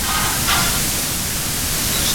ځینې درمل د زینک ضایع زیاتوي.